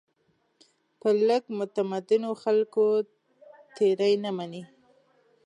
پر لږ متمدنو خلکو تېري نه مني.